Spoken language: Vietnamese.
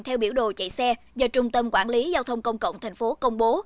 theo biểu đồ chạy xe do trung tâm quản lý giao thông công cộng thành phố công bố